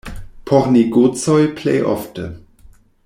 Por negocoj plej ofte.